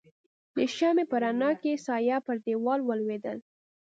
د شمعې په رڼا کې يې سایه پر دیوال ولوېدل.